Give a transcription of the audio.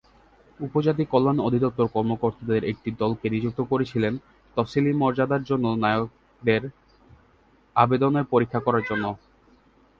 উপজাতি কল্যাণ অধিদপ্তর কর্মকর্তাদের একটি দলকে নিযুক্ত করেছিল, তফসিলি মর্যাদার জন্য নায়কদের আবেদনের পরীক্ষা করার জন্য।